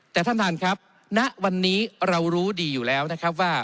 แต่ท่านท่านครับณวันนี้เรารู้ดีอยู่แล้วนะครับว่า